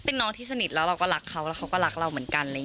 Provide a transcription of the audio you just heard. เป็นน้องที่สนิทแล้วเราก็รักเขาแล้วเขาก็รักเราเหมือนกัน